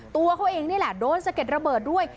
ตัวเขาเองนี่แหละโดนสะเก็ดระเบิดด้วย